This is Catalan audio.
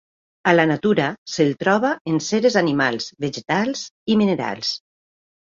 A la natura se'l troba en ceres animals, vegetals i minerals.